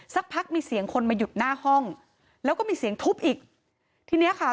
สักพักมีเสียงคนมาหยุดหน้าห้องแล้วก็มีเสียงทุบอีกทีเนี้ยค่ะ